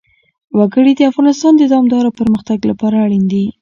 وګړي د افغانستان د دوامداره پرمختګ لپاره اړین دي.